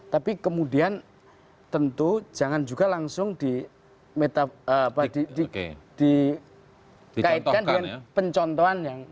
tapi kemudian tentu jangan juga langsung dikaitkan dengan pencontohan yang